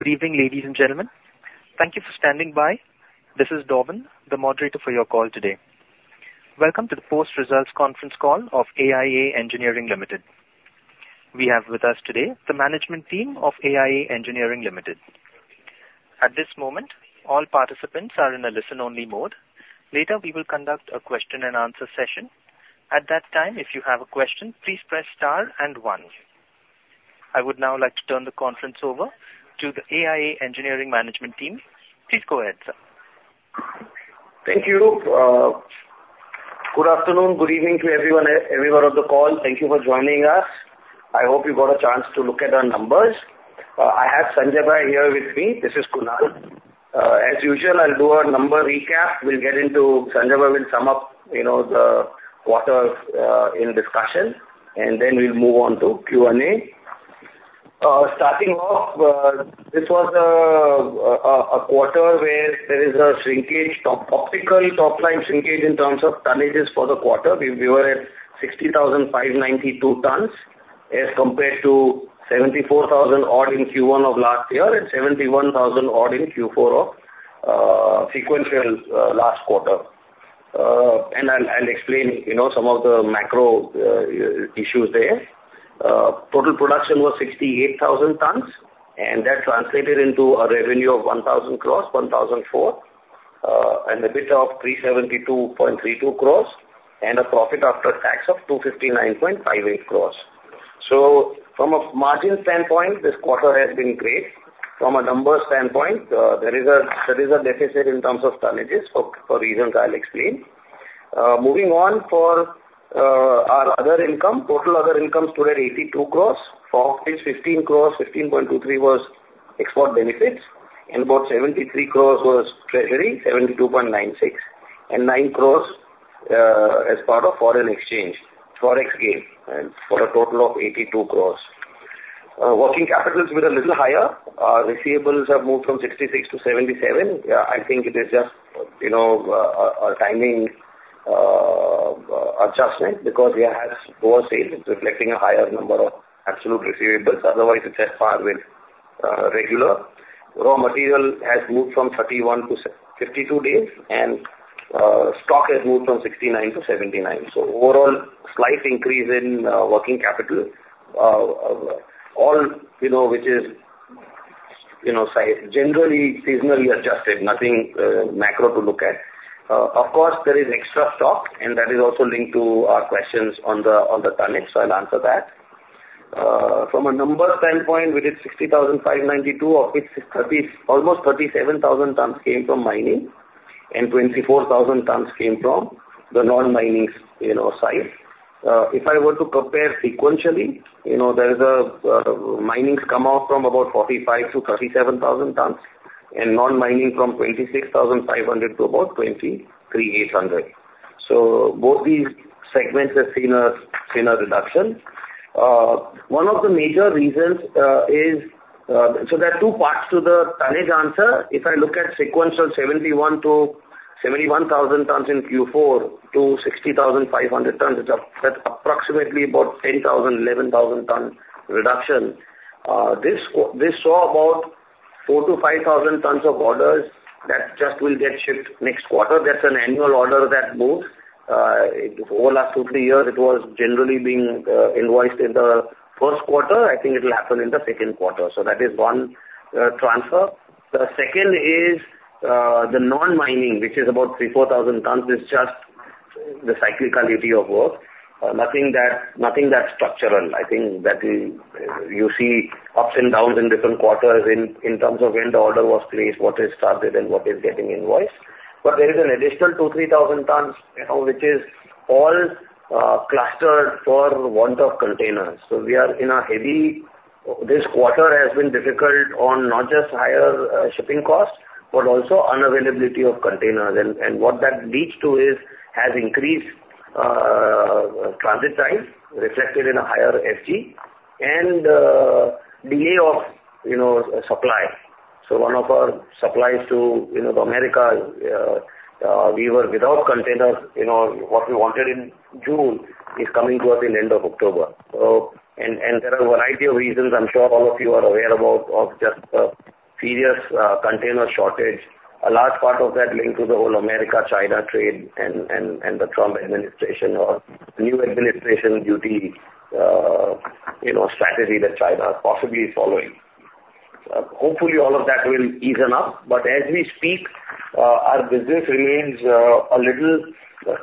Good evening, ladies and gentlemen. Thank you for standing by. This is Dorvin, the moderator for your call today. Welcome to the Post-results Conference Call of AIA Engineering Limited. We have with us today the management team of AIA Engineering Limited. At this moment, all participants are in a listen-only mode. Later, we will conduct a question-and-answer session. At that time, if you have a question, please press star and one. I would now like to turn the conference over to the AIA Engineering management team. Please go ahead, sir. Thank you. Good afternoon, good evening to everyone on the call. Thank you for joining us. I hope you got a chance to look at our numbers. I have Sanjay here with me. This is Kunal. As usual, I'll do a number recap. We'll get into, Sanjay will sum up, you know, the quarter in discussion, and then we'll move on to Q&A. Starting off, this was a quarter where there is a shrinkage, optical top line shrinkage in terms of tonnages for the quarter. We were at 60,592 tons, as compared to 74,000-odd in Q1 of last year and 71,000-odd in Q4 of sequential last quarter. And I'll explain, you know, some of the macro issues there. Total production was 68,000 tons, and that translated into a revenue of 1,004 crore, and EBITDA of 372.32 crore, and a profit after tax of 259.58 crore. So from a margin standpoint, this quarter has been great. From a numbers standpoint, there is a deficit in terms of tonnages for reasons I'll explain. Moving on, for our other income. Total other income stood at 82 crore. Of which 15 crore, 15.23 crore, was export benefits, and about 73 crore was treasury, 72.96 crore, and 9 crore as part of foreign exchange, Forex gain, and for a total of 82 crore. Working capital has been a little higher. Receivables have moved from 66 to 77. Yeah, I think it is just, you know, a timing adjustment, because we have had lower sales, reflecting a higher number of absolute receivables. Otherwise, it's as per regular. Raw material has moved from 31 to 52 days, and stock has moved from 69 to 79. So overall, slight increase in working capital, all, you know, which is, you know, sized, generally, seasonally adjusted, nothing macro to look at. Of course, there is extra stock, and that is also linked to our questions on the tonnage, so I'll answer that. From a numbers standpoint, we did 60,592, of which almost 37,000 tons came from mining, and 24,000 tons came from the non-mining, you know, side. If I were to compare sequentially, you know, there is a mining's come off from about 45,000 tons to 37,000 tons, and non-mining from 26,500 to about 23,800. So both these segments have seen a reduction. One of the major reasons is... So there are two parts to the tonnage answer. If I look at sequential 71,000 tons in Q4 to 60,500 tons, it's approximately about 10,000 tons, 11,000 ton reduction. This saw about 4,000 tons-5,000 tons of orders that just will get shipped next quarter. That's an annual order that moves. Over the last two, three years, it was generally being invoiced in the first quarter. I think it will happen in the second quarter. So that is one transfer. The second is, the non-mining, which is about 3,000 tons-4,000 tons, is just the cyclicality of work. Nothing that structural. I think that you see ups and downs in different quarters in terms of when the order was placed, what is started, and what is getting invoiced. But there is an additional 2,000 tons-3,000 tons, you know, which is all clustered for want of containers. So we are in a heavy... This quarter has been difficult on not just higher shipping costs, but also unavailability of containers. And what that leads to is has increased transit time, reflected in a higher FG, and delay of, you know, supply. So one of our suppliers to, you know, the Americas, we were without containers. You know, what we wanted in June is coming to us in the end of October. So, there are a variety of reasons I'm sure all of you are aware about, of just serious container shortage. A large part of that linked to the whole America-China trade and the Trump administration or new administration duty, you know, strategy that China possibly is following. Hopefully, all of that will even up, but as we speak, our business remains a little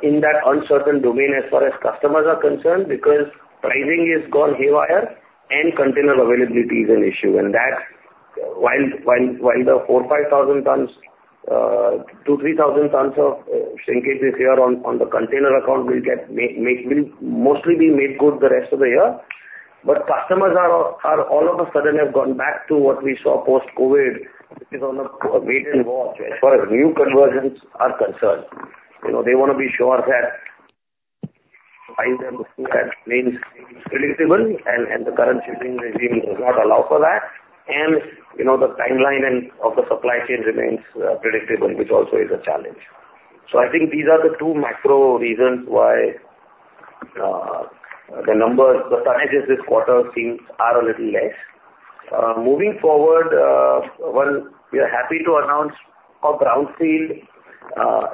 in that uncertain domain as far as customers are concerned, because pricing has gone haywire and container availability is an issue. And that's while the 4,000 tons-5,000 tons, 2,000 tons-3,000 tons of shrinkage is here on the container account, will mostly be made good the rest of the year. But customers are all of a sudden have gone back to what we saw post-COVID, which is on a wait and watch as far as new conversions are concerned. You know, they want to be sure that, item two, that remains predictable and the current shipping regime does not allow for that. And, you know, the timeline and of the supply chain remains predictable, which also is a challenge. So I think these are the two macro reasons why the numbers, the tonnages this quarter seems are a little less. Moving forward, well, we are happy to announce a brownfield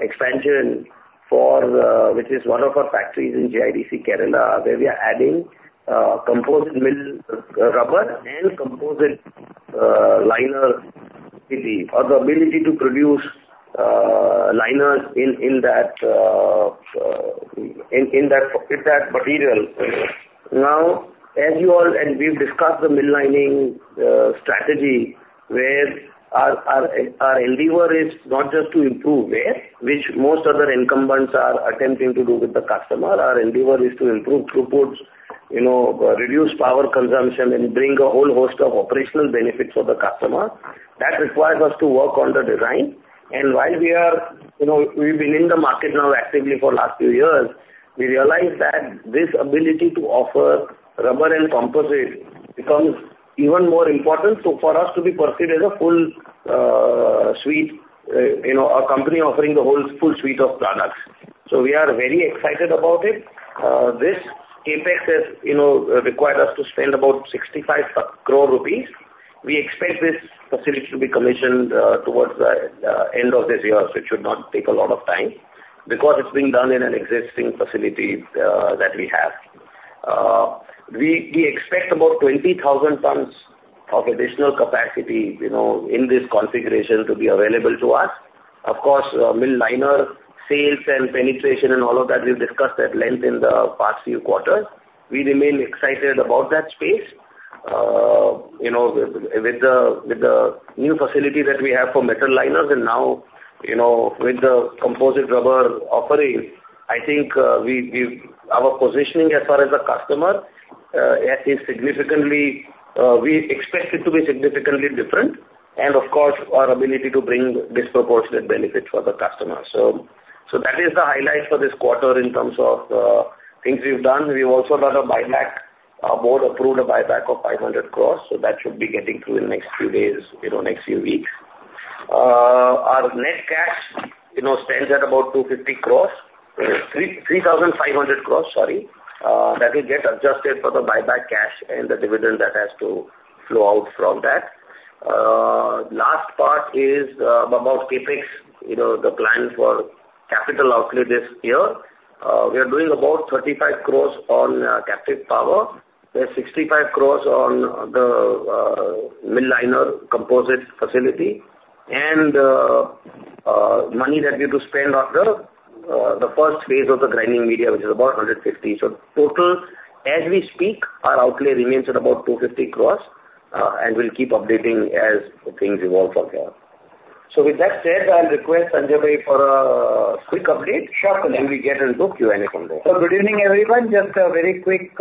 expansion for which is one of our factories in GIDC, Kerala, where we are adding composite mill rubber and composite liner ability, or the ability to produce liners in that with that material. Now, as you all and we've discussed the mill lining strategy, where our endeavor is not just to improve wear, which most other incumbents are attempting to do with the customer. Our endeavor is to improve throughputs, you know, reduce power consumption and bring a whole host of operational benefits for the customer. That requires us to work on the design, and while we are, you know, we've been in the market now actively for last few years, we realize that this ability to offer rubber and composite becomes even more important. So for us to be perceived as a full suite, you know, a company offering the whole full suite of products. So we are very excited about it. This CapEx has, you know, required us to spend about 65 crore rupees. We expect this facility to be commissioned towards the end of this year. So it should not take a lot of time because it's being done in an existing facility that we have. We expect about 20,000 tons of additional capacity, you know, in this configuration to be available to us. Of course, mill liner sales and penetration and all of that, we've discussed at length in the past few quarters. We remain excited about that space. You know, with the new facility that we have for metal liners and now, you know, with the composite rubber offering, I think, we've our positioning as far as the customer is significantly, we expect it to be significantly different and of course, our ability to bring disproportionate benefit for the customer. So, that is the highlight for this quarter in terms of things we've done. We've also done a buyback. Our board approved a buyback of 500 crore, so that should be getting through in the next few days, you know, next few weeks. Our net cash, you know, stands at about 250 crore, 3,500 crore, sorry. That will get adjusted for the buyback cash and the dividend that has to flow out from that. Last part is, about CapEx, you know, the plan for capital outlay this year. We are doing about 35 crore on captive power, then 65 crore on the mill liner composite facility, and money that we have to spend on the first phase of the grinding media, which is about 150 crore. So total, as we speak, our outlay remains at about 250 crore, and we'll keep updating as things evolve from here. So with that said, I'll request Sanjay bhai for a quick update. Sure. We get into Q&A from there. So good evening, everyone. Just a very quick,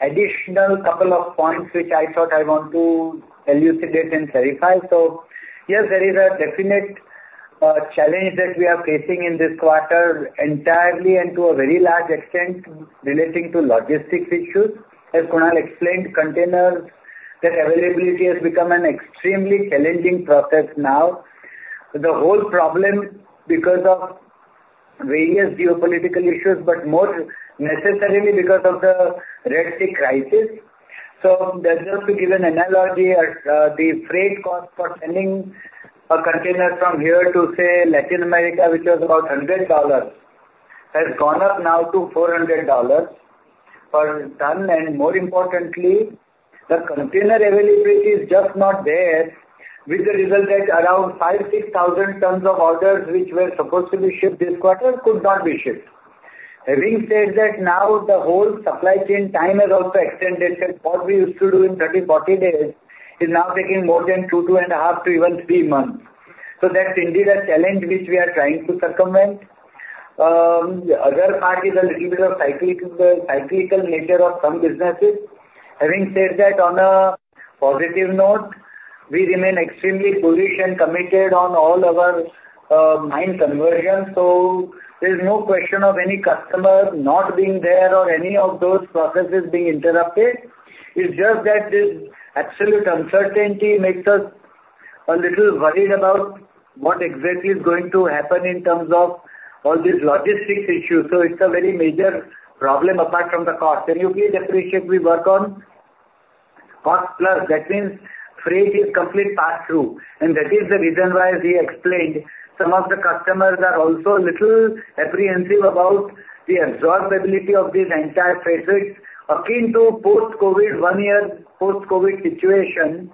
additional couple of points, which I thought I want to elucidate and clarify. So yes, there is a definite, challenge that we are facing in this quarter entirely and to a very large extent relating to logistics issues. As Kunal explained, containers, their availability has become an extremely challenging process now. The whole problem, because of various geopolitical issues, but more necessarily because of the Red Sea crisis. So just to give an analogy, the freight cost for sending a container from here to, say, Latin America, which was about $100, has gone up now to $400 per ton. And more importantly, the container availability is just not there, which resulted around 5,000 tons-6,000 tons of orders, which were supposed to be shipped this quarter, could not be shipped. Having said that, now the whole supply chain time has also extended, and what we used to do in 30 days, 40 days is now taking more than 2 months, 2.5 months to even 3 months. So that's indeed a challenge which we are trying to circumvent. The other part is a little bit of cyclical nature of some businesses. Having said that, on a positive note, we remain extremely bullish and committed on all our mine conversions. So there's no question of any customer not being there or any of those processes being interrupted. It's just that this absolute uncertainty makes us a little worried about what exactly is going to happen in terms of all these logistics issues. So it's a very major problem apart from the cost. Can you please appreciate we work on cost plus? That means freight is complete passthrough, and that is the reason why, as we explained, some of the customers are also a little apprehensive about the absorbability of these entire freight rates. Akin to post-COVID, one year post-COVID situation,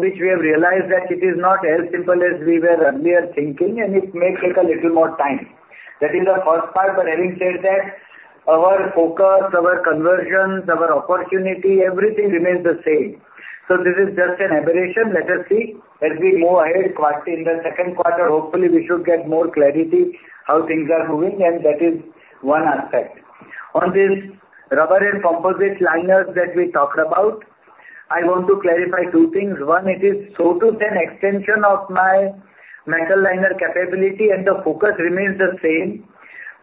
which we have realized that it is not as simple as we were earlier thinking, and it may take a little more time. That is the first part, but having said that, our focus, our conversions, our opportunity, everything remains the same. So this is just an aberration. Let us see. As we move ahead, quarter, in the second quarter, hopefully, we should get more clarity how things are moving, and that is one aspect. On this rubber and composite liners that we talked about, I want to clarify two things. One, it is so to say, an extension of my metal liner capability and the focus remains the same.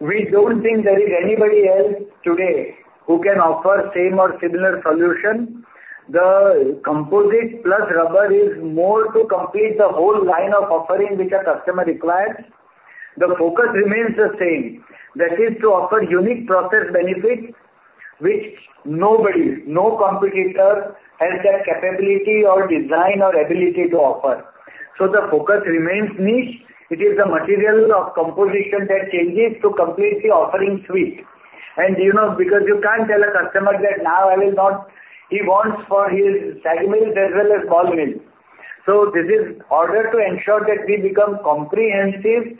We don't think there is anybody else today who can offer same or similar solution. The composite plus rubber is more to complete the whole line of offering which a customer requires. The focus remains the same, that is to offer unique process benefits, which nobody, no competitor has that capability or design or ability to offer. So the focus remains niche. It is the material of composition that changes to complete the offering suite. And, you know, because you can't tell a customer that now I will not-- He wants for his sag mills as well as ball mills. So this is in order to ensure that we become comprehensive,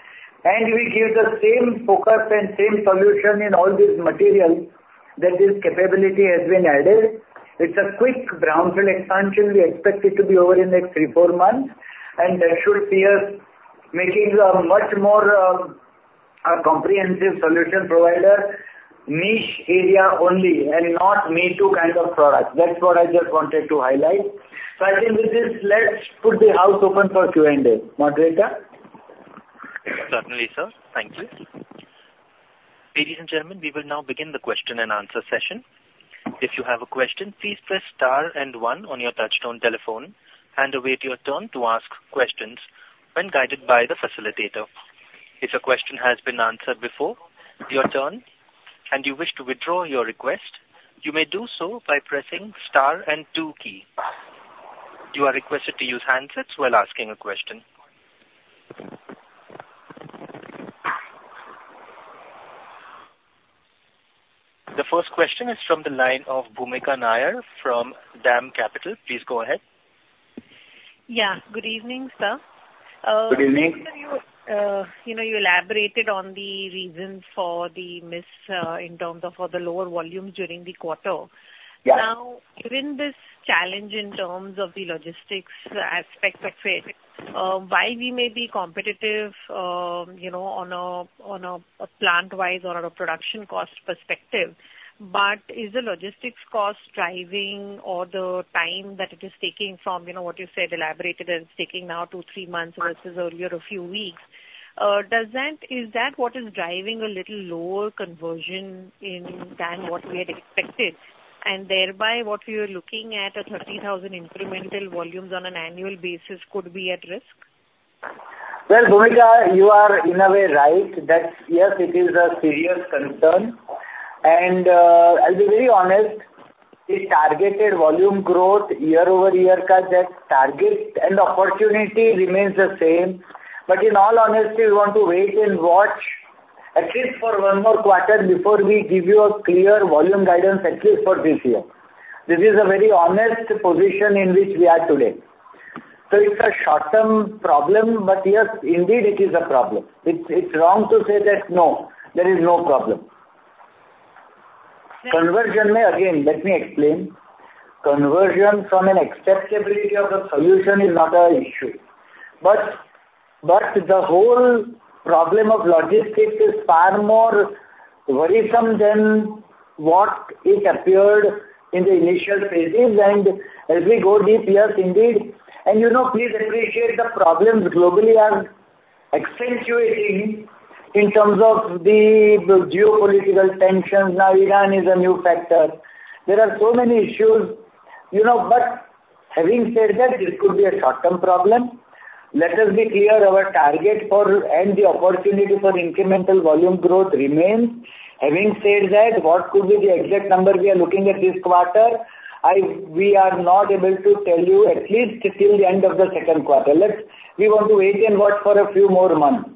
and we give the same focus and same solution in all these materials, that this capability has been added. It's a quick brownfield expansion. We expect it to be over in the next 3 months, 4 months, and that should see us making a much more, a comprehensive solution provider, niche area only and not me-too kind of product. That's what I just wanted to highlight. So I think with this, let's put the house open for Q&A. Moderator? Certainly, sir. Thank you. Ladies and gentlemen, we will now begin the question and answer session. If you have a question, please press star and one on your touchtone telephone and await your turn to ask questions when guided by the facilitator. If your question has been answered before your turn and you wish to withdraw your request, you may do so by pressing star and two key. You are requested to use handsets while asking a question. The first question is from the line of Bhoomika Nair from DAM Capital. Please go ahead. Yeah, good evening, sir. Good evening. You know, you elaborated on the reasons for the miss in terms of for the lower volumes during the quarter. Yes. Now, given this challenge in terms of the logistics aspect of it, while we may be competitive, you know, on a plant-wise or on a production cost perspective, but is the logistics cost driving or the time that it is taking from, you know, what you said, elaborated, and it's taking now 2 months-3 months versus earlier, a few weeks. Does that? Is that what is driving a little lower conversion in, than what we had expected, and thereby, what we were looking at, 30,000 incremental volumes on an annual basis could be at risk? Well, Bhoomika, you are in a way right, that yes, it is a serious concern. And, I'll be very honest, the targeted volume growth year-over-year, cut that target and the opportunity remains the same. But in all honesty, we want to wait and watch at least for one more quarter before we give you a clear volume guidance, at least for this year. This is a very honest position in which we are today. So it's a short-term problem, but yes, indeed, it is a problem. It's, it's wrong to say that, "No, there is no problem." Conversion may... Again, let me explain. Conversion from an acceptability of the solution is not our issue, but, but the whole problem of logistics is far more worrisome than what it appeared in the initial phases. As we go deep, yes, indeed, and you know, please appreciate the problems globally are accentuating in terms of the geopolitical tensions. Now, Iran is a new factor. There are so many issues, you know, but having said that, this could be a short-term problem. Let us be clear, our target for, and the opportunity for incremental volume growth remains. Having said that, what could be the exact number we are looking at this quarter? We are not able to tell you at least till the end of the second quarter. We want to wait and watch for a few more months.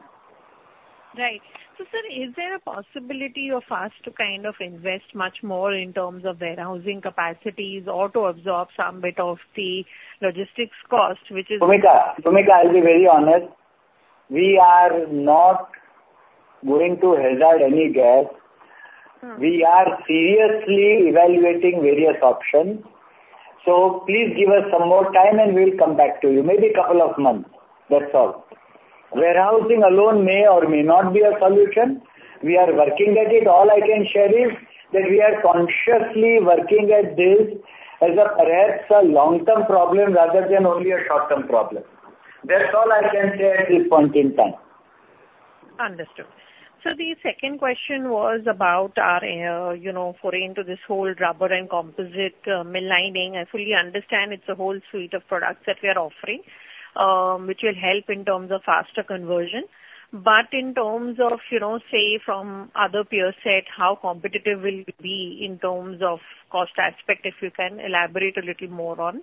Right. So, sir, is there a possibility of us to kind of invest much more in terms of warehousing capacities or to absorb some bit of the logistics cost, which is- Bhoomika, Bhoomika, I'll be very honest, we are not going to hazard any guess. Mm. We are seriously evaluating various options, so please give us some more time, and we'll come back to you. Maybe couple of months. That's all. Warehousing alone may or may not be a solution. We are working at it. All I can share is that we are consciously working at this as perhaps a long-term problem rather than only a short-term problem. That's all I can say at this point in time. Understood. So the second question was about our, you know, foray into this whole rubber and composite mill lining. I fully understand it's a whole suite of products that we are offering, which will help in terms of faster conversion. But in terms of, you know, say, from other peer set, how competitive will it be in terms of cost aspect, if you can elaborate a little more on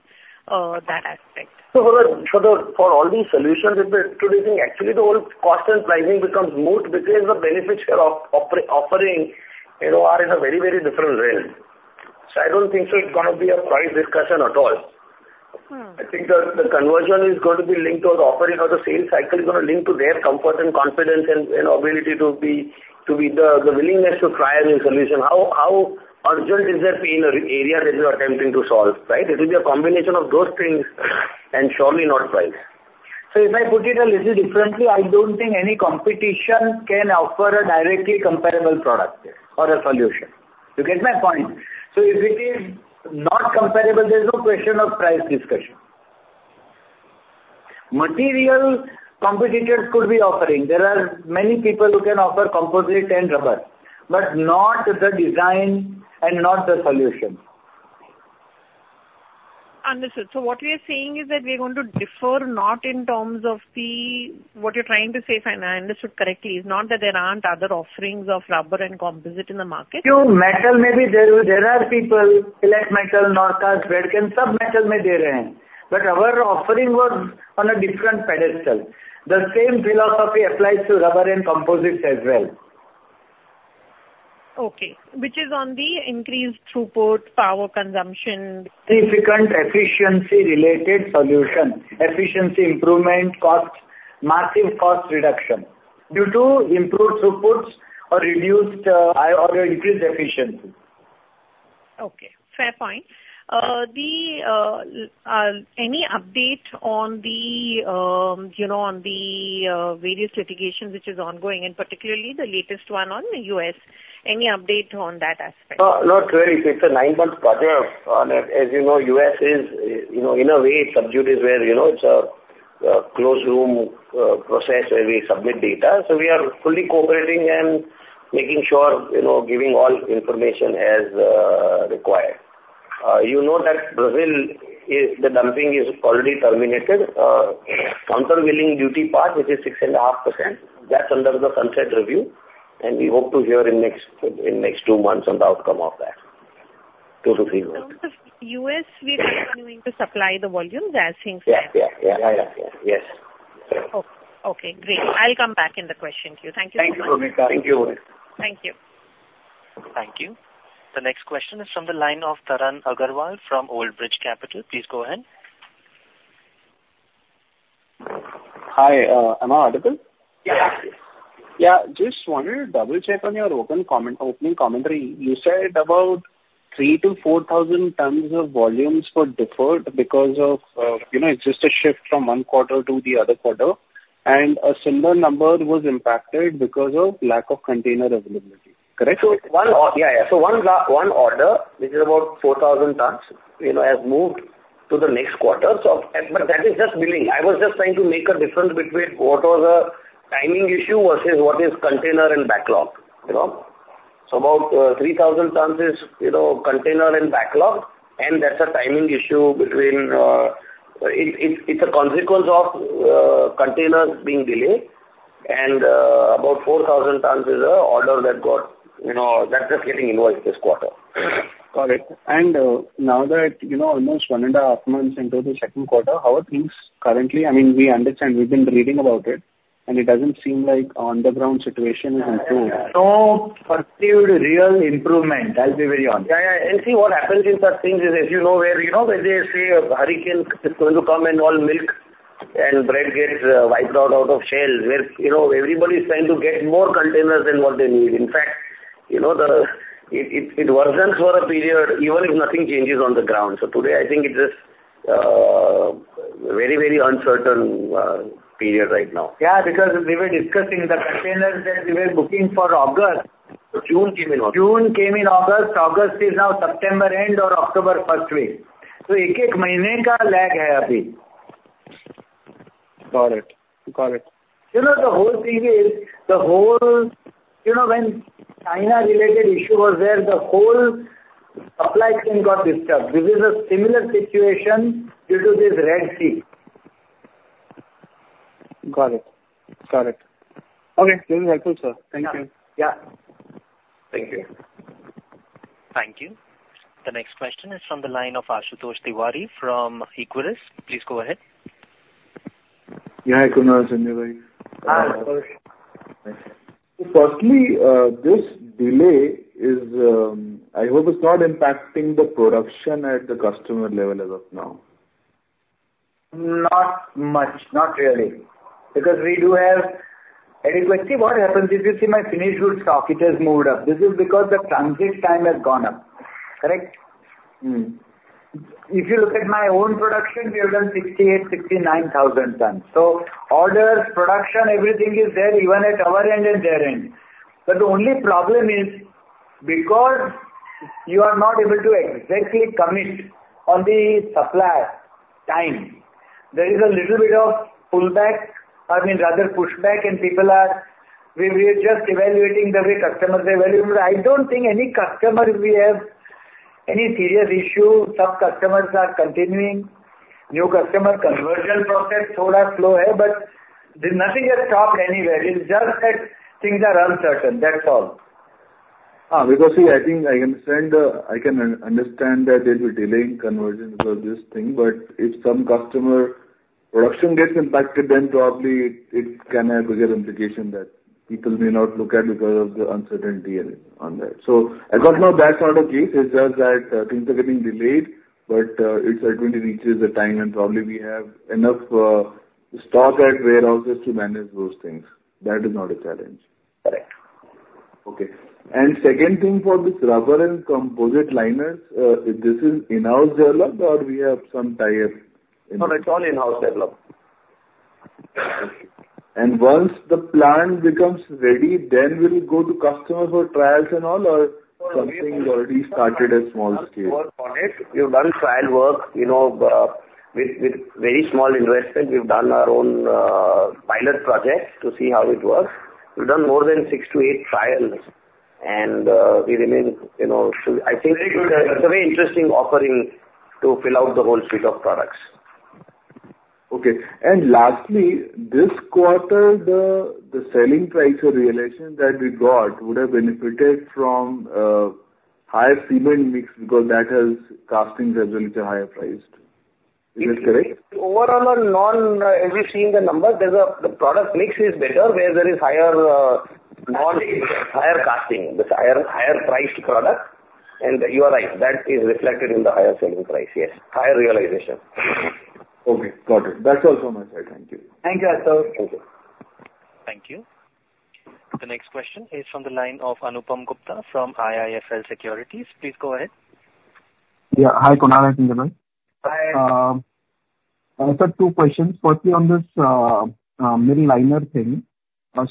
that aspect? So for all these solutions that we're introducing, actually, the whole cost and pricing becomes moot because the benefits we are offering, you know, are in a very, very different realm. So I don't think it's gonna be a price discussion at all. Mm. I think the conversion is going to be linked to the offering or the sales cycle is going to link to their comfort and confidence and ability to be the willingness to try a new solution. How urgent is their pain or area that they are attempting to solve, right? It will be a combination of those things and surely not price. So if I put it a little differently, I don't think any competition can offer a directly comparable product or a solution. You get my point? So if it is not comparable, there is no question of price discussion. Material competitors could be offering. There are many people who can offer composite and rubber, but not the design and not the solution. Understood. So what we are saying is that we are going to differ, not in terms of the- what you're trying to say, if I understood correctly, is not that there aren't other offerings of rubber and composite in the market? No, there are people like Metso, Norcast, Bradken, some other maybe there are, but our offering was on a different pedestal. The same philosophy applies to rubber and composites as well. Okay, which is on the increased throughput, power consumption. Significant efficiency related solution, efficiency improvement, cost, massive cost reduction due to improved throughputs or reduced, or increased efficiency. Okay, fair point. Any update on the, you know, on the various litigations which is ongoing, and particularly the latest one on the U.S.? Any update on that aspect? Not really. It's a nine-month quarter. As you know, the U.S. is, you know, in a way, subdued. It's a closed room process where we submit data. So we are fully cooperating and making sure, you know, giving all information as required. You know that Brazil is, the dumping is already terminated. Countervailing duty part, which is 6.5%, that's under the sunset review, and we hope to hear in next two months on the outcome of that. Two to three months. In terms of U.S., we are continuing to supply the volumes as since then? Yeah. Yeah. Yeah. Yeah. Yes. Okay, great. I'll come back in the question queue. Thank you so much. Thank you, Bhoomika. Thank you. Thank you. Thank you. The next question is from the line of Tarang Agrawal from Oldbridge Capital. Please go ahead. Hi, am I audible? Yeah. Yeah, just wanted to double check on your open comment, opening commentary. You said about 3,000 tons-4,000 tons of volumes were deferred because of, you know, just a shift from one quarter to the other quarter, and a similar number was impacted because of lack of container availability. Correct? Yeah, yeah. So one order, which is about 4,000 tons, you know, has moved to the next quarter. So, but that is just billing. I was just trying to make a difference between what was a timing issue versus what is container and backlog, you know. So about 3,000 tons is, you know, container and backlog, and that's a timing issue between... It's a consequence of containers being delayed, and about 4,000 tons is an order that got, you know, that's just getting invoiced this quarter. Got it. And now that, you know, almost 1.5 months into the second quarter, how are things currently? I mean, we understand, we've been reading about it, and it doesn't seem like on the ground situation is improved. No perceived real improvement, I'll be very honest. Yeah, yeah. And see, what happens in such things is, as you know, where, you know, where they say a hurricane is going to come and all milk and bread gets wiped out of shelves, where, you know, everybody's trying to get more containers than what they need. In fact, you know, it worsens for a period, even if nothing changes on the ground. So today, I think it is a very, very uncertain period right now. Yeah, because we were discussing the containers that we were booking for August. So June came in August. June came in August. August is now September end or October first week. Got it. Got it. You know, the whole thing is, the whole... You know, when China-related issue was there, the whole supply chain got disturbed. This is a similar situation due to this Red Sea. Got it. Got it. Okay, very helpful, sir. Thank you. Yeah. Yeah. Thank you. Thank you. The next question is from the line of Ashutosh Tiwari from Equirus. Please go ahead. Yeah, Kunal Sanjay Bhai. Hi, Ashutosh. Firstly, this delay is, I hope it's not impacting the production at the customer level as of now. Not much, not really, because we do have... And it's like, see, what happens is, you see my finished goods stock, it has moved up. This is because the transit time has gone up. Correct? Mm. If you look at my own production, we have done 68,000-69,000 tons. So orders, production, everything is there, even at our end and their end. But the only problem is, because you are not able to exactly commit on the supply time, there is a little bit of pullback, I mean, rather, pushback, and people are, we, we are just evaluating the way customers are evaluating. But I don't think any customer, we have any serious issue. Some customers are continuing. New customer conversion process. Nothing has stopped anywhere. It's just that things are uncertain, that's all. Because, see, I think I understand, I can understand that there'll be delay in conversion because of this thing, but if some customer production gets impacted, then probably it can have a bigger implication that people may not look at because of the uncertainty in it on that. So as of now, that's not the case. It's just that, things are getting delayed, but, it's going to reach the time, and probably we have enough stock at warehouses to manage those things. That is not a challenge. Correct. Okay. And second thing, for this rubber and composite liners, this is in-house developed or we have some tie-ups? No, it's all in-house developed. Okay... once the plant becomes ready, then will you go to customers for trials and all, or something already started at small scale? We've done trial work, you know, with very small investment. We've done our own pilot project to see how it works. We've done more than 6-8 trials, and we remain, you know, so I think it's a very interesting offering to fill out the whole suite of products. Okay. And lastly, this quarter, the selling price realization that we got would have benefited from higher cement mix because that has castings as well as a higher priced. Is this correct? Overall on non, as we've seen the numbers, there's a, the product mix is better where there is higher, non- Yes. Higher casting, with higher, higher priced product. You are right, that is reflected in the higher selling price. Yes. Higher realization. Okay, got it. That's all from my side. Thank you. Thank you, Ashutosh. Thank you. Thank you. The next question is from the line of Anupam Gupta from IIFL Securities. Please go ahead. Yeah. Hi, Kunal and Jamal. Hi. I have two questions. Firstly, on this mid liner thing.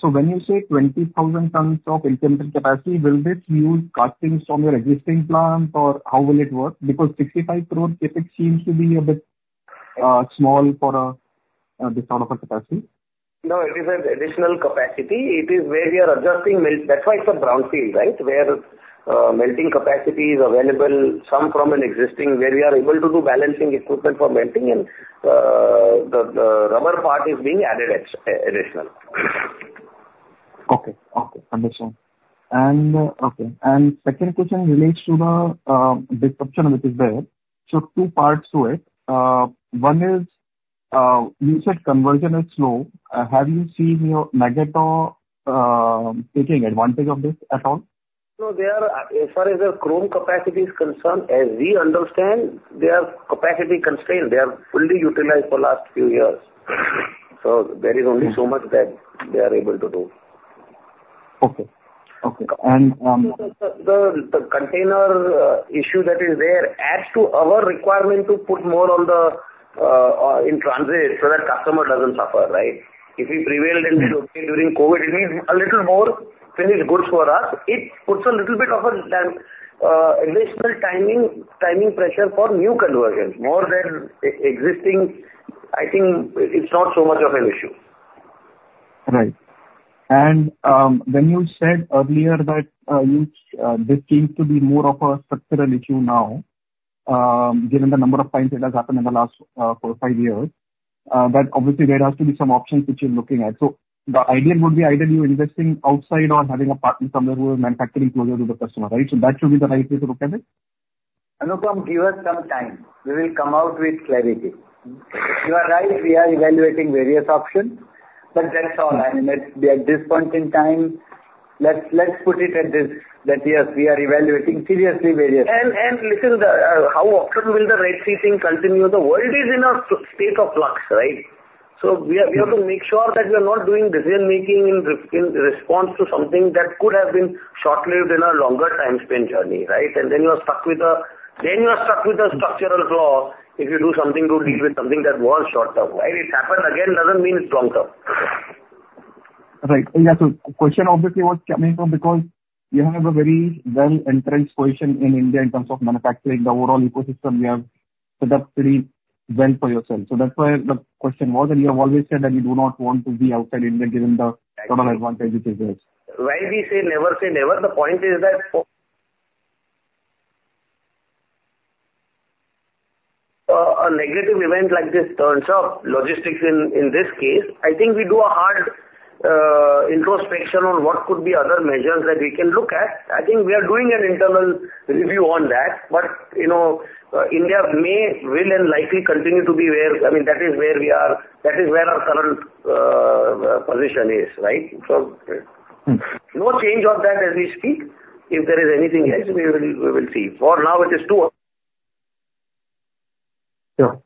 So when you say 20,000 tons of incremental capacity, will this use castings from your existing plant, or how will it work? Because 65 crore, it seems to be a bit small for this sort of a capacity. No, it is an additional capacity. It is where we are adjusting melt. That's why it's a brownfield, right? Where melting capacity is available, some from an existing, where we are able to do balancing equipment for melting and the rubber part is being added additional. Okay. Okay. Understand. And, okay, and second question relates to the disruption which is there. So two parts to it. One is, you said conversion is slow. Have you seen your Magotteaux taking advantage of this at all? No, they are, as far as the chrome capacity is concerned, as we understand, they are capacity constrained. They are fully utilized for last few years. There is only so much that they are able to do. Okay. Okay, and, The container issue that is there adds to our requirement to put more on the in transit so that customer doesn't suffer, right? It is prevailed and it's okay during COVID, it means a little more finished goods for us. It puts a little bit of additional timing, timing pressure for new conversions, more than existing. I think it's not so much of an issue. Right. When you said earlier that this seems to be more of a structural issue now, given the number of times it has happened in the last 4-5 years, but obviously there has to be some options which you're looking at. So the idea would be either you investing outside or having a partner somewhere who is manufacturing closer to the customer, right? So that should be the right way to look at it? Anupam, give us some time. We will come out with clarity. You are right, we are evaluating various options, but that's all. I mean, at this point in time, let's put it at this, that yes, we are evaluating seriously various. And listen, the how often will the Red Sea thing continue? The world is in a state of flux, right? So we have- Mm-hmm. We have to make sure that we are not doing decision making in response to something that could have been short-lived in a longer time span journey, right? Then you are stuck with a structural flaw if you do something to deal with something that was short-term, right? It happens again, doesn't mean it's long-term. Right. Yeah, so question obviously was coming from, because you have a very well-entrenched position in India in terms of manufacturing, the overall ecosystem, you have set up pretty well for yourself. So that's why the question was, and you have always said that you do not want to be outside India, given the sort of advantage it is there. Why we say never say never? The point is that for... a negative event like this turns up, logistics in, in this case, I think we do a hard introspection on what could be other measures that we can look at. I think we are doing an internal review on that, but, you know, India may, will, and likely continue to be where, I mean, that is where we are, that is where our current position is, right? So- Mm. No change on that as we speak. If there is anything else, we will, we will see. For now, it is too early. Sure.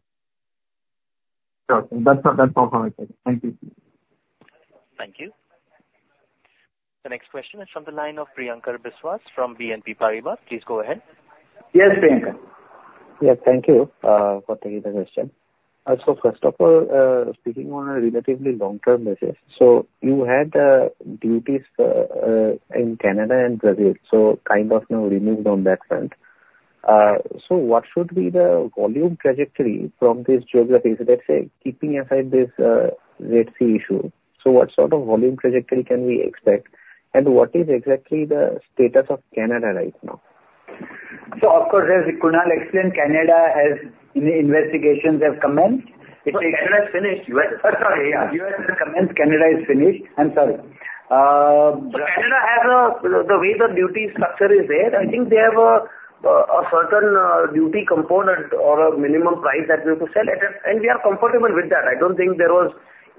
Sure. That's, that's all from my side. Thank you. Thank you. The next question is from the line of Priyamkar Biswas from BNP Paribas. Please go ahead. Yes, Priyamkar. Yes, thank you for taking the question. So first of all, speaking on a relatively long-term basis, so you had duties in Canada and Brazil, so kind of now removed on that front. So what should be the volume trajectory from these geographies, let's say, keeping aside this Red Sea issue? So what sort of volume trajectory can we expect, and what is exactly the status of Canada right now? Of course, as Kunal explained, investigations have commenced. So Canada is finished. U.S.- Sorry, yeah. U.S. has commenced, Canada is finished. I'm sorry. Canada has a, the way the duty structure is there, I think they have a certain duty component or a minimum price that we have to sell at it, and we are comfortable with that. I don't think there was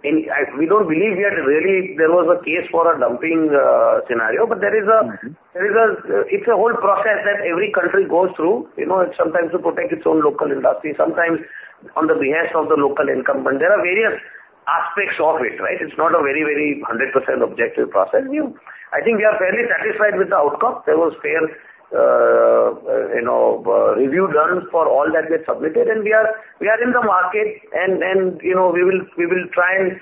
any... we don't believe we had really, there was a case for a dumping scenario. Mm-hmm. But there is a, it's a whole process that every country goes through. You know, it's sometimes to protect its own local industry, sometimes on behalf of the local incumbent. There are various aspects of it, right? It's not a very, very 100% objective process. I think we are fairly satisfied with the outcome. There was fair, you know, review done for all that we had submitted, and we are, we are in the market, and, and, you know, we will, we will try and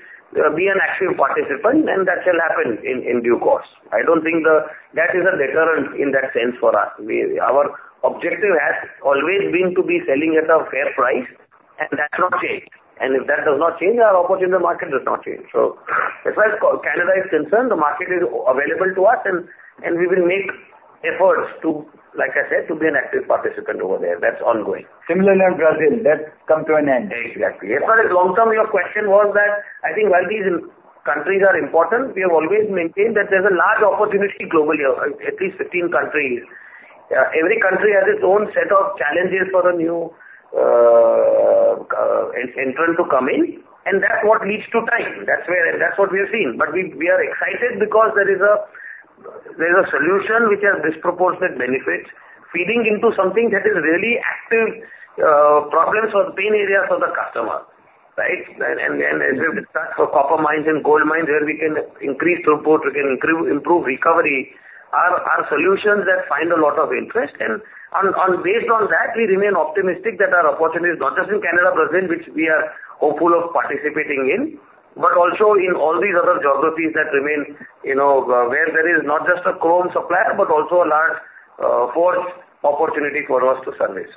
be an active participant, and that shall happen in due course. I don't think that is a deterrent in that sense for us. We, our objective has always been to be selling at a fair price, and that's not changed. If that does not change, our opportunity in the market does not change. So as far as Canada is concerned, the market is available to us, and we will make efforts to, like I said, to be an active participant over there. That's ongoing. Similar in Brazil, that come to an end. Exactly. As far as long term, your question was that I think while these countries are important, we have always maintained that there's a large opportunity globally, at least 15 countries. Every country has its own set of challenges for a new entrant to come in, and that's what leads to time. That's where, that's what we are seeing. But we are excited because there is a solution which has disproportionate benefits, feeding into something that is really active problems or pain areas for the customer, right? And with that, for copper mines and gold mines, where we can increase throughput, we can improve recovery, are solutions that find a lot of interest. Based on that, we remain optimistic that our opportunities, not just in Canada, Brazil, which we are hopeful of participating in, but also in all these other geographies that remain, you know, where there is not just a chrome supplier, but also a large, forged opportunity for us to service.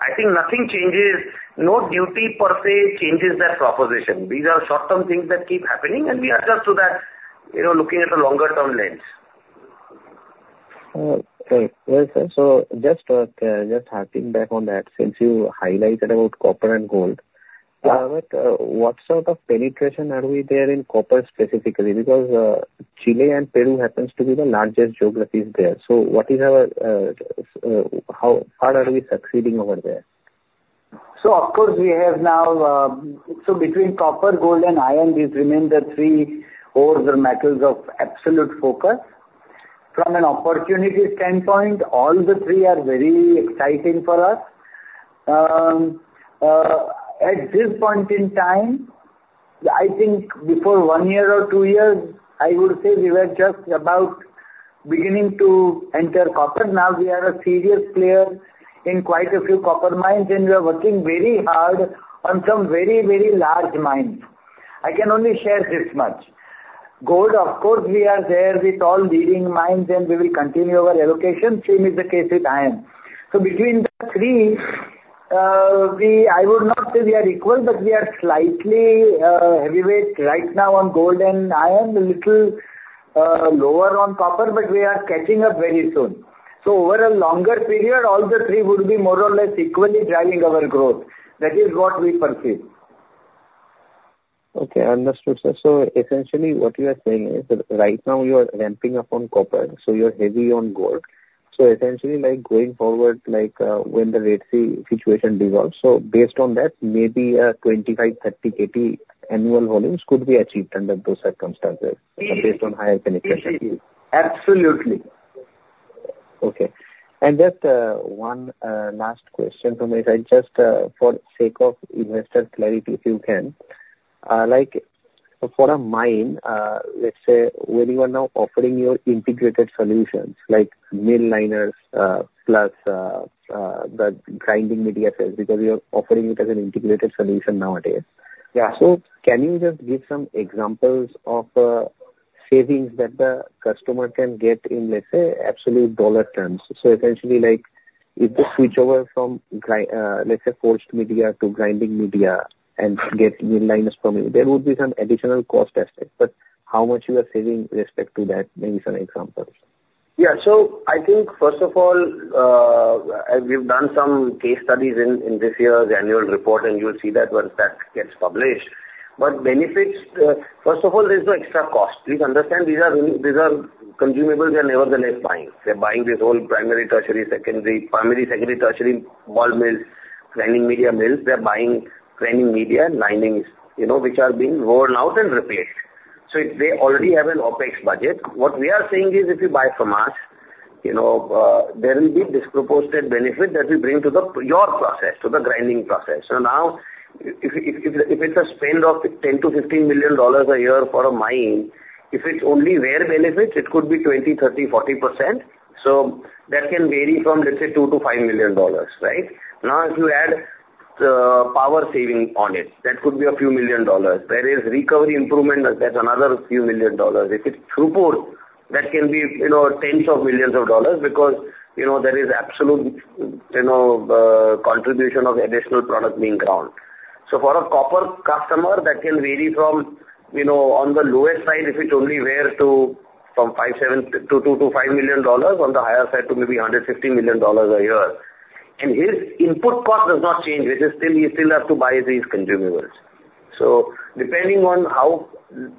I think nothing changes. No duty per se, changes that proposition. These are short-term things that keep happening, and we adjust to that, you know, looking at a longer-term lens. Great. Well, sir, so just harking back on that, since you highlighted about copper and gold- Yeah. What sort of penetration are we there in copper specifically? Because Chile and Peru happens to be the largest geographies there. So how are we succeeding over there? So of course, we have now, So between copper, gold, and iron, these remain the three ores or metals of absolute focus. From an opportunity standpoint, all the three are very exciting for us. At this point in time, I think before one year or two years, I would say we were just about beginning to enter copper. Now, we are a serious player in quite a few copper mines, and we are working very hard on some very, very large mines. I can only share this much. Gold, of course, we are there with all leading mines, and we will continue our allocation. Same is the case with iron. So between the three, we—I would not say we are equal, but we are slightly heavyweight right now on gold and iron, a little lower on copper, but we are catching up very soon. So over a longer period, all the three would be more or less equally driving our growth. That is what we perceive. Okay, understood, sir. So essentially, what you are saying is that right now you are ramping up on copper, so you're heavy on gold. So essentially, like, going forward, like, when the Red Sea situation dissolves, so based on that, maybe 25-30 KP annual volumes could be achieved under those circumstances- Eh- -based on higher penetration. Absolutely. Okay. Just one last question for me, right? Just for sake of investor clarity, if you can. Like, for a mine, let's say when you are now offering your integrated solutions, like mill liners plus the grinding media sales, because you are offering it as an integrated solution nowadays. Yeah. So can you just give some examples of savings that the customer can get in, let's say, absolute dollar terms? So essentially, like, if you switch over from, let's say, forged media to grinding media and get mill liners from you, there would be some additional cost aspect, but how much you are saving with respect to that, maybe some examples. Yeah. So I think, first of all, we've done some case studies in this year's annual report, and you'll see that once that gets published. But benefits, first of all, there's no extra cost. Please understand, these are consumables they are nevertheless buying. They're buying this whole primary, tertiary, secondary, primary, secondary, tertiary ball mills, grinding media mills. They're buying grinding media and liners, you know, which are being worn out and replaced. So they already have an OpEx budget. What we are saying is, if you buy from us, you know, there will be disproportionate benefit that we bring to the, your process, to the grinding process. So now, if it's a spend of $10-$15 million a year for a mine, if it's only wear benefits, it could be 20%, 30%, 40%. So that can vary from, let's say, $2-$5 million, right? Now, if you add power saving on it, that could be $a few million. There is recovery improvement, that's another $a few million. If it's throughput, that can be, you know, $tens of millions because, you know, there is absolute, you know, contribution of additional product being ground. So for a copper customer, that can vary from, you know, on the lowest side, if it's only wear, to from $5-$7 to $2-$5 million, on the higher side to maybe $150 million a year. And his input cost does not change. It is still, you still have to buy these consumables. Depending on how,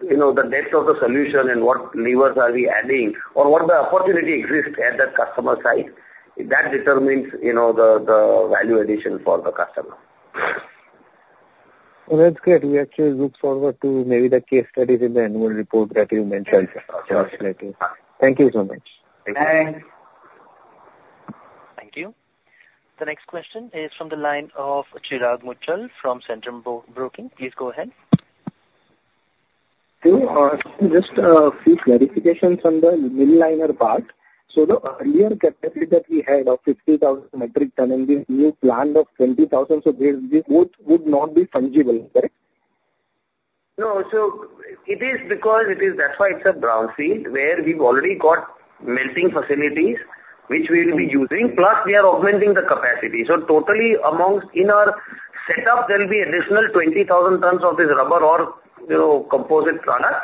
you know, the depth of the solution and what levers are we adding or what the opportunity exists at that customer site, that determines, you know, the value addition for the customer. Well, that's great. We actually look forward to maybe the case studies in the annual report that you mentioned. Okay. Thank you so much. Thanks. ...Thank you. The next question is from the line of Chirag Muchhala from Centrum Broking. Please go ahead. Just a few clarifications on the mill liner part. The earlier capacity that we had of 50,000 metric tons, and this new plant of 20,000, so this both would not be fungible, correct? No. So it is because it is, that's why it's a brownfield, where we've already got melting facilities, which we will be using, plus we are augmenting the capacity. So totally amongst in our setup, there'll be additional 20,000 tons of this rubber or, you know, composite product.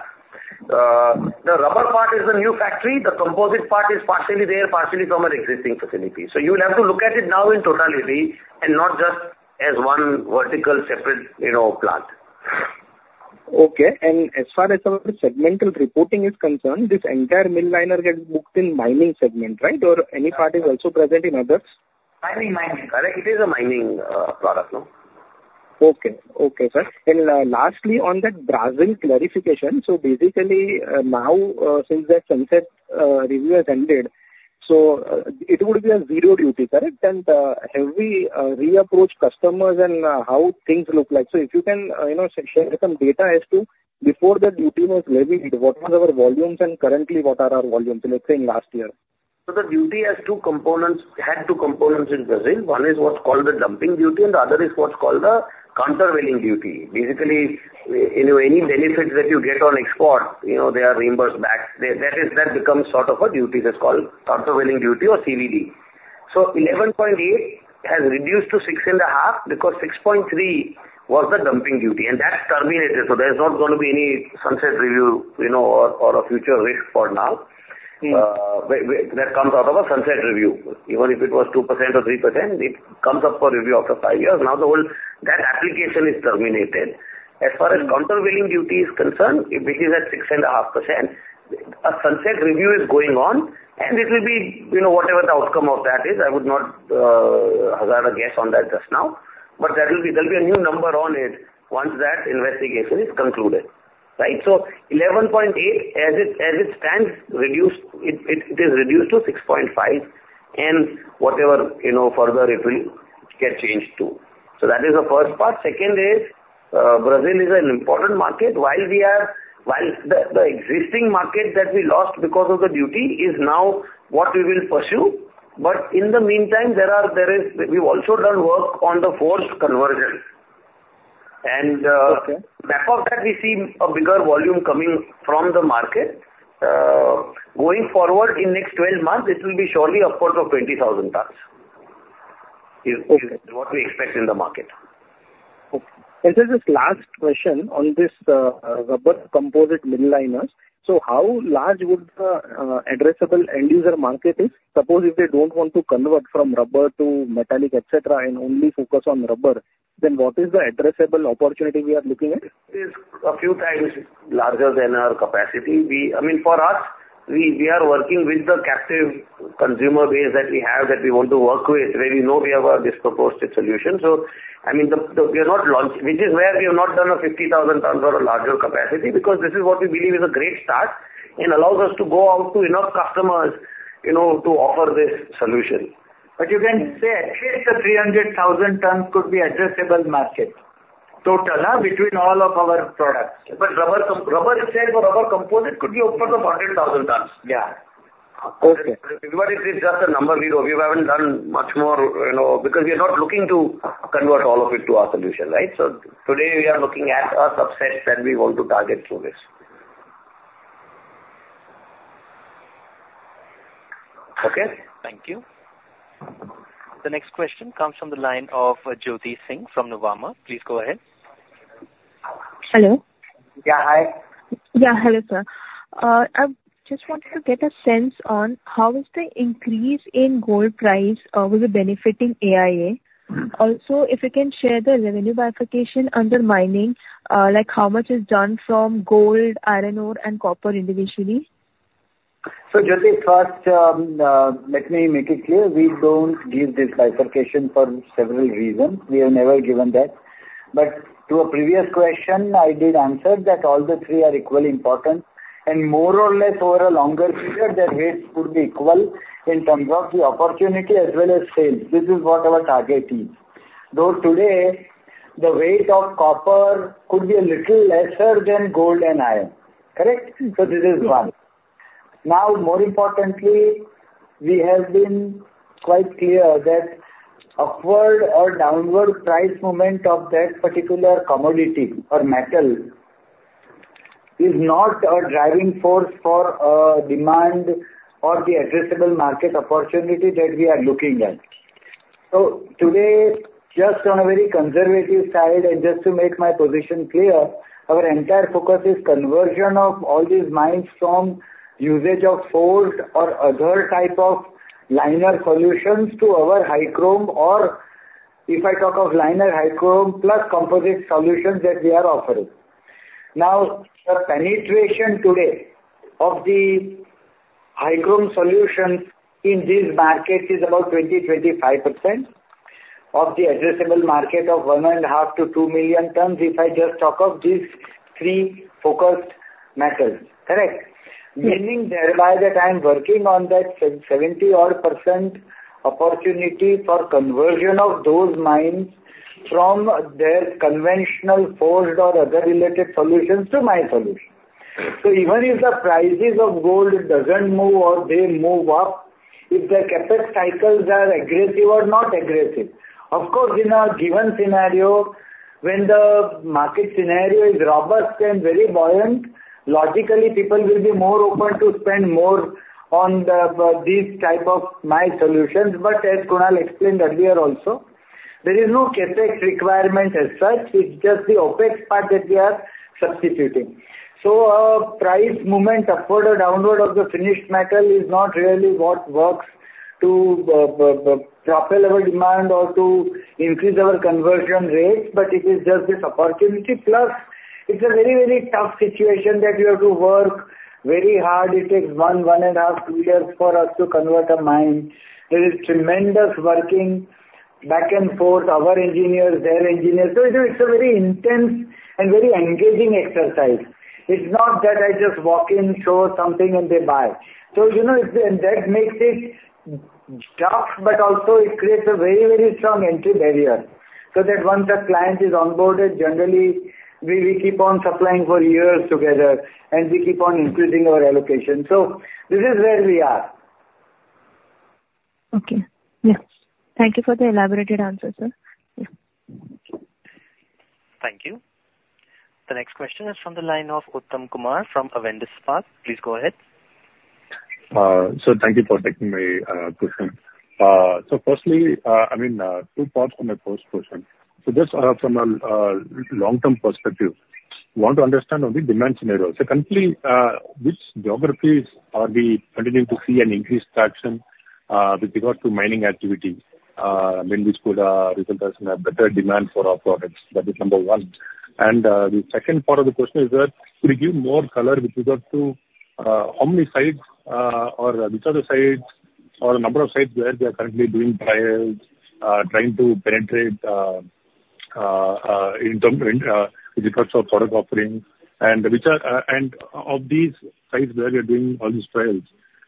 The rubber part is the new factory, the composite part is partially there, partially from our existing facility. So you'll have to look at it now in totality and not just as one vertical separate, you know, plant. Okay. As far as our segmental reporting is concerned, this entire mill liner gets booked in mining segment, right? Or any part is also present in others? Mining, mining. Correct, it is a mining product, no. Okay. Okay, sir. And, lastly, on that Brazil clarification, so basically, now, since that sunset review has ended, so, it would be a zero duty, correct? And, have we reapproached customers and how things look like? So if you can, you know, share some data as to before the duty was levied, what was our volumes and currently what are our volumes, let's say, in last year. So the duty has two components- had two components in Brazil. One is what's called the dumping duty, and the other is what's called the countervailing duty. Basically, you know, any benefits that you get on export, you know, they are reimbursed back. That is, that becomes sort of a duty that's called countervailing duty or CVD. So 11.8 has reduced to 6.5, because 6.3 was the dumping duty, and that's terminated. So there's not going to be any sunset review, you know, or, or a future risk for now. Mm. That comes out of a sunset review. Even if it was 2% or 3%, it comes up for review after five years. Now, the whole, that application is terminated. Mm. As far as countervailing duty is concerned, it remains at 6.5%. A sunset review is going on, and it will be, you know, whatever the outcome of that is, I would not have a guess on that just now. But there will be, there'll be a new number on it once that investigation is concluded, right? So 11.8, as it stands, reduced, it is reduced to 6.5, and whatever, you know, further it will get changed to. So that is the first part. Second is, Brazil is an important market. While the existing market that we lost because of the duty is now what we will pursue, but in the meantime, there is, we've also done work on the forged conversions. And, Okay. Back of that, we see a bigger volume coming from the market. Going forward in next 12 months, it will be surely upwards of 20,000 tons, is- Okay. what we expect in the market. Okay. And just this last question on this, rubber composite mill liners. So how large would the addressable end user market is? Suppose if they don't want to convert from rubber to metallic, et cetera, and only focus on rubber, then what is the addressable opportunity we are looking at? It is a few times larger than our capacity. We... I mean, for us, we are working with the captive consumer base that we have, that we want to work with, where we know we have a disproportionate solution. So I mean, the we are not launch... Which is where we have not done a 50,000 tons or a larger capacity, because this is what we believe is a great start and allows us to go out to enough customers, you know, to offer this solution. But you can say at least a 300,000 tons could be addressable market. Total, between all of our products. Rubber, rubber itself or rubber composite could be upwards of 100,000 tons. Yeah. Okay. But it is just a number we know. We haven't done much more, you know, because we are not looking to convert all of it to our solution, right? So today, we are looking at a subset that we want to target through this. Okay? Thank you. The next question comes from the line of Jyoti Singh from Nuvama. Please go ahead. Hello. Yeah, hi. Yeah, hello, sir. I just wanted to get a sense on how is the increase in gold price, was it benefiting AIA? Mm. Also, if you can share the revenue bifurcation under mining, like, how much is done from gold, iron ore, and copper individually? So, Jyoti, first, let me make it clear, we don't give this bifurcation for several reasons. We have never given that. But to a previous question, I did answer that all the three are equally important, and more or less, over a longer period, their weights could be equal in terms of the opportunity as well as sales. This is what our target is. Though today, the weight of copper could be a little lesser than gold and iron. Correct? Mm. So this is one. Now, more importantly, we have been quite clear that upward or downward price movement of that particular commodity or metal is not a driving force for demand or the addressable market opportunity that we are looking at. So today, just on a very conservative side, and just to make my position clear, our entire focus is conversion of all these mines from usage of forged or other type of liner solutions to our high-chrome, or if I talk of liner, high-chrome, plus composite solutions that we are offering. Now, the penetration today of the high-chrome solutions in this market is about 20-25%.... of the addressable market of 1.5-2 million tons, if I just talk of these three focused metals, correct? Meaning thereby that I am working on that seventy odd percent opportunity for conversion of those mines from their conventional forged or other related solutions to my solution. So even if the prices of gold doesn't move or they move up, if the CapEx cycles are aggressive or not aggressive, of course, in a given scenario, when the market scenario is robust and very buoyant, logically, people will be more open to spend more on the, these type of my solutions. But as Kunal explained earlier also, there is no CapEx requirement as such. It's just the OpEx part that we are substituting. So a price movement upward or downward of the finished metal is not really what works to propel our demand or to increase our conversion rates, but it is just this opportunity. Plus, it's a very, very tough situation that you have to work very hard. It takes 1-1.5-2 years for us to convert a mine. There is tremendous working back and forth, our engineers, their engineers, so it's a very intense and very engaging exercise. It's not that I just walk in, show something, and they buy. So, you know, it, and that makes it tough, but also it creates a very, very strong entry barrier, so that once a client is onboarded, generally, we, we keep on supplying for years together, and we keep on increasing our allocation. So this is where we are. Okay. Yeah. Thank you for the elaborate answer, sir. Yeah. Thank you. The next question is from the line of Uttam Kumar from Avendus Spark. Please go ahead. So thank you for taking my question. So firstly, I mean, two parts from my first question. So just from a long-term perspective, want to understand on the demand scenario. So currently, which geographies are we continuing to see an increased traction with regard to mining activity, and which could result us in a better demand for our products? That is number one. And the second part of the question is that, could you give more color with regard to how many sites or which are the sites or the number of sites where we are currently doing trials, trying to penetrate in terms of with regards of product offerings? And of these sites where we are doing all these trials,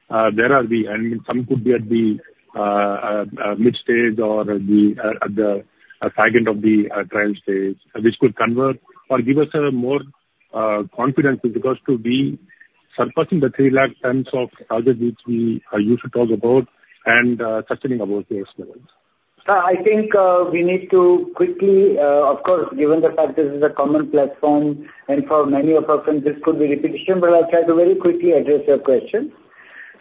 where are we? I mean, some could be at the mid stage or at the tangent of the trial stage, which could convert or give us a more confidence with regards to be surpassing the 300,000 tons target, which we are used to talk about and sustaining above the levels. I think, we need to quickly, of course, given the fact this is a common platform and for many of us, and this could be repetition, but I'll try to very quickly address your question.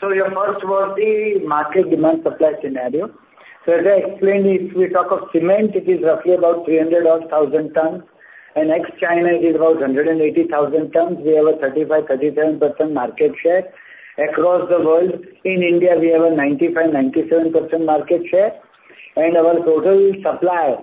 So your first was the market demand supply scenario. So as I explained, if we talk of cement, it is roughly about 300,000 tons. Ex-China, it is about 180,000 tons. We have a 35%-37% market share across the world. In India, we have a 95%-97% market share, and our total supply,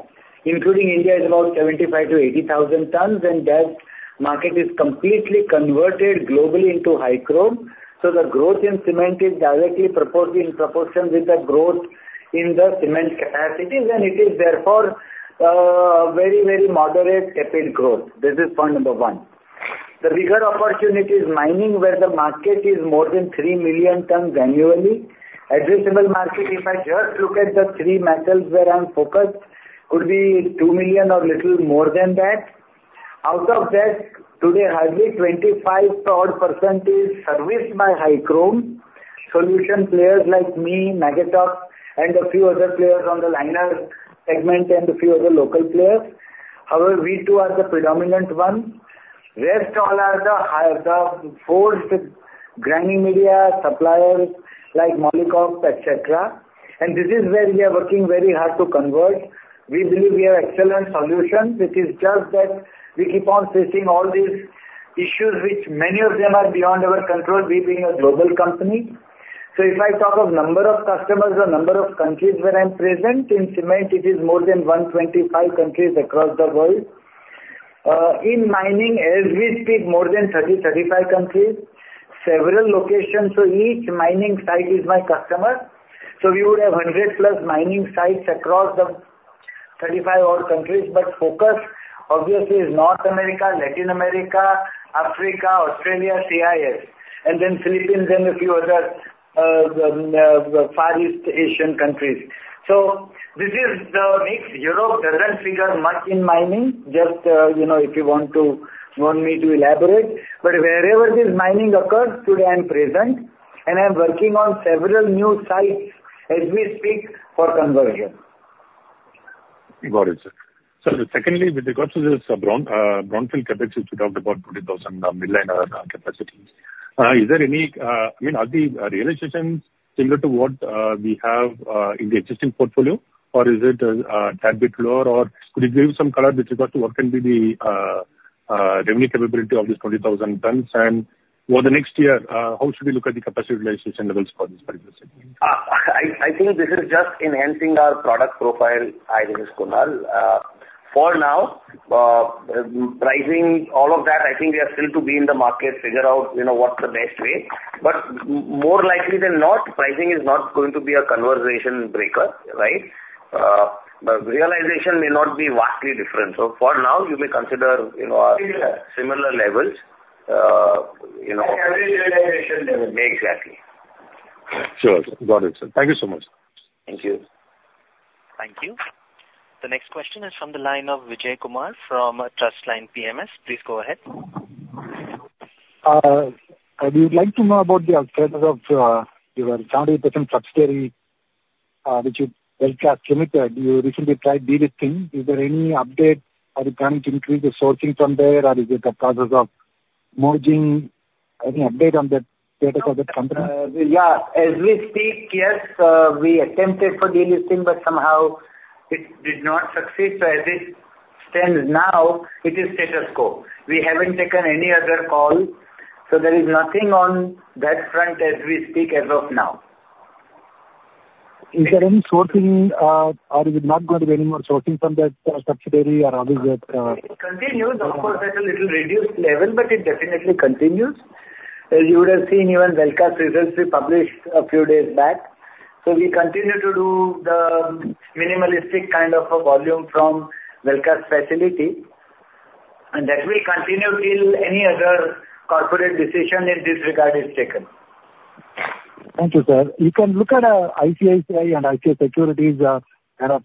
including India, is about 75,000-80,000 tons, and that market is completely converted globally into high chrome. So the growth in cement is directly proportionally in proportion with the growth in the cement capacities, and it is therefore, very, very moderate CapEx growth. This is point number one. The bigger opportunity is mining, where the market is more than 3 million tons annually. Addressable market, if I just look at the three metals where I'm focused, could be 2 million or little more than that. Out of that, today, hardly 25 odd% is serviced by high chrome. Solution players like me, Magotteaux, and a few other players on the liner segment, and a few other local players. However, we two are the predominant one. Rest all are the high, the forged grinding media suppliers like Molycop, et cetera. And this is where we are working very hard to convert. We believe we have excellent solutions. It is just that we keep on facing all these issues, which many of them are beyond our control, we being a global company. So if I talk of number of customers or number of countries where I'm present, in cement, it is more than 125 countries across the world. In mining, as we speak, more than 30, 35 countries, several locations, so each mining site is my customer. So we would have 100+ mining sites across the 35-odd countries. But focus, obviously, is North America, Latin America, Africa, Australia, CIS, and then Philippines and a few other, Far East Asian countries. So this is the mix. Europe doesn't figure much in mining, just, you know, if you want me to elaborate. But wherever this mining occurs, today I'm present, and I'm working on several new sites, as we speak, for conversion. Got it, sir. So secondly, with regards to this brownfield CapEx, which you talked about, 20 billion capacities, is there any... I mean, are the realization similar to what we have in the existing portfolio, or is it a tad bit lower? Or could you give some color with regard to what can be the revenue capability of this 20,000 tons? And over the next year, how should we look at the capacity realization levels for this particular segment? I think this is just enhancing our product profile. Hi, this is Kunal. ...For now, pricing, all of that, I think we are still to be in the market, figure out, you know, what's the best way. But more likely than not, pricing is not going to be a conversation breaker, right? But realization may not be vastly different. So for now, you may consider, you know, similar, similar levels, you know. Average realization may. Exactly. Sure. Got it, sir. Thank you so much. Thank you. Thank you. The next question is from the line of Vijay Kumar from Trustline PMS. Please go ahead. We would like to know about the status of your 100% subsidiary, which is Welcast Limited. You recently tried delisting. Is there any update, are you planning to increase the sourcing from there, or is it the process of merging? Any update on that status of that company? Yeah. As we speak, yes, we attempted for delisting, but somehow it did not succeed. So as it stands now, it is status quo. We haven't taken any other call, so there is nothing on that front as we speak as of now. Is there any sourcing, or is it not going to be any more sourcing from that subsidiary, or how is it? It continues. Of course, at a little reduced level, but it definitely continues. As you would have seen, even Welcast results we published a few days back. So we continue to do the minimalistic kind of a volume from Welcast facility, and that will continue till any other corporate decision in this regard is taken. Thank you, sir. You can look at ICICI and ICICI Securities, kind of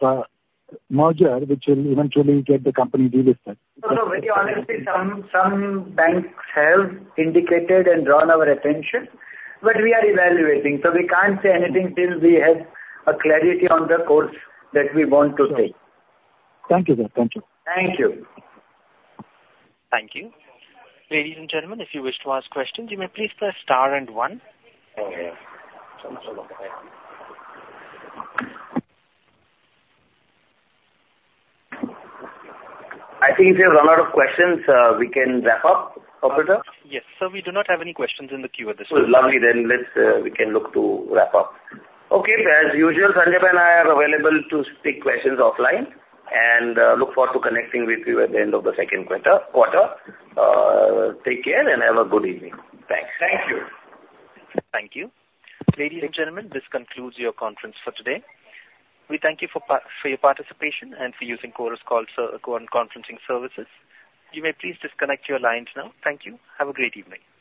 merger, which will eventually get the company delisted. So to be honest, some banks have indicated and drawn our attention, but we are evaluating, so we can't say anything till we have a clarity on the course that we want to take. Thank you, sir. Thank you. Thank you. Thank you. Ladies and gentlemen, if you wish to ask questions, you may please press star and one. I think if there's a lot of questions, we can wrap up, operator? Yes, sir, we do not have any questions in the queue at this time. Lovely. Then let's, we can look to wrap up. Okay, as usual, Sanjay and I are available to take questions offline, and look forward to connecting with you at the end of the second quarter. Take care and have a good evening. Thanks. Thank you. Thank you. Ladies and gentlemen, this concludes your conference for today. We thank you for your participation and for using Chorus Call Conferencing Services. You may please disconnect your lines now. Thank you. Have a great evening.